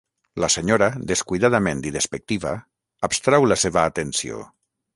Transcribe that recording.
La senyora, descuidadament i despectiva, abstrau la seva atenció.